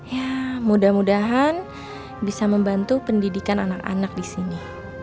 ya mudah mudahan bisa membantu pendidikan anak anak di sini